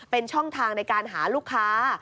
เป็นช่องทางในการหาลูกค้า